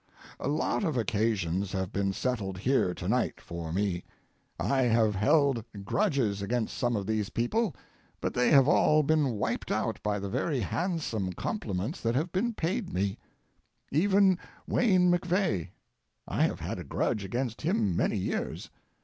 A lot of accounts have been settled here tonight for me; I have held grudges against some of these people, but they have all been wiped out by the very handsome compliments that have been paid me. Even Wayne MacVeagh—I have had a grudge against him many years.